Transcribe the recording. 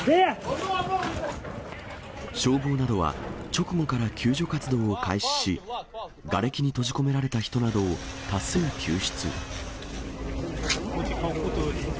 消防などは直後から救助活動を開始し、がれきに閉じ込められた人などを多数救出。